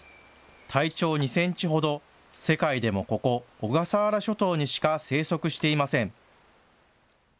体長２センチほど、世界でもここ小笠原諸島にしか生息していません。